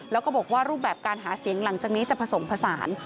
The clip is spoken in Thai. แล้วก็บอกว่ารูปแบบการหาเสียงหลังจากนี้จะผสมผสาน